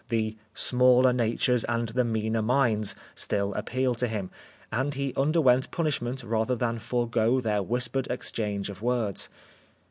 " The smaller natures and the meaner minds" still appealed to him, and he underwent punishment rather than forego their whispered exchange of words.